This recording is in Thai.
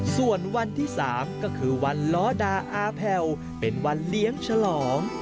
ส่วนวันที่๓ก็คือวันล้อดาอาแพลเป็นวันเลี้ยงฉลอง